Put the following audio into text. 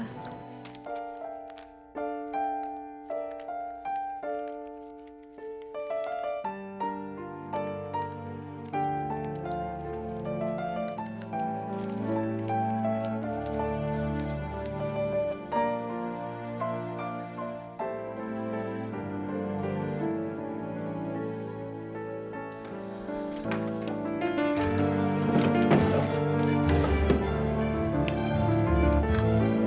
selama penjumpaanurti ilk kita